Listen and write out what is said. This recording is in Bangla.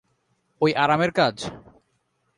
ওই আরামের কাজ?